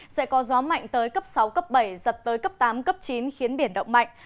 sẽ có gió mạnh tới cấp sáu cấp bảy giật tới cấp tám cấp chín khiến biển động mạnh